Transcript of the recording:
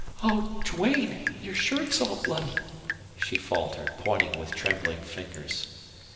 "Oh, Duane, your shirt's all bloody!" she faltered, pointing with trembling fingers.